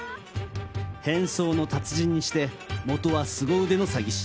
変装の達人にして元はすご腕の詐欺師。